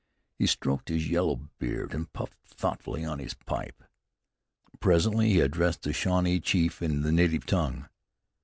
He stroked his yellow beard, and puffed thoughtfully on his pipe. Presently he addressed the Shawnee chief in the native tongue.